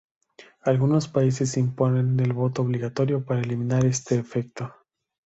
Algunos países imponen el voto obligatorio para eliminar este efecto.